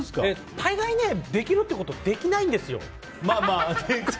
大概ね、できるってことできないんですよ。